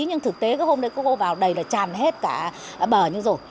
nhưng thực tế hôm nay cô cô vào đầy là tràn hết cả bờ như rồi